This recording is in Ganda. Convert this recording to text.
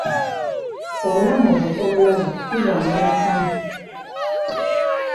Obulamu obwo tobulaba ssi bwangu nakamu!